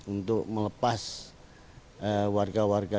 untuk melepas warga warga